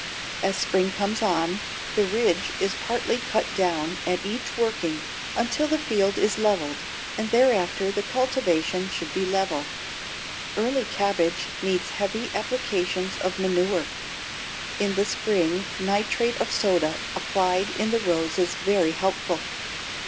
As spring comes on, the ridge is partly cut down at each working until the field is leveled, and thereafter the cultivation should be level. [Illustration: FIG. 90. CABBAGE READY FOR SHIPMENT] Early cabbages need heavy applications of manure. In the spring, nitrate of soda applied in the rows is very helpful.